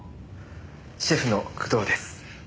シェフの工藤です。